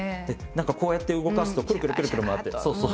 何かこうやって動かすとくるくるくるくる回って。